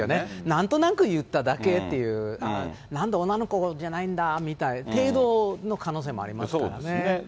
なんとなく言っただけっていう、なんで女の子じゃないんだみたいな、程度の可能性もありますからそうですね。